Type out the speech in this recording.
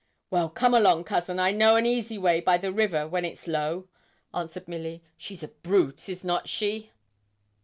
'Well, come along, cousin, I know an easy way by the river, when it's low,' answered Milly. 'She's a brute is not she?'